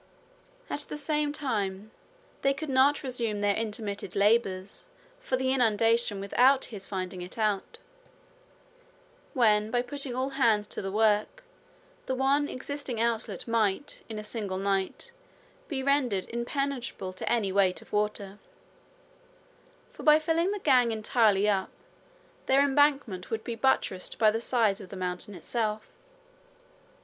At the same time they could not resume their intermitted labours for the inundation without his finding it out; when by putting all hands to the work, the one existing outlet might in a single night be rendered impenetrable to any weight of water; for by filling the gang entirely up, their embankment would be buttressed by the sides of the mountain itself.